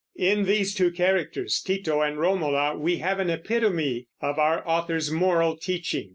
In these two characters, Tito and Romola, we have an epitome of our author's moral teaching.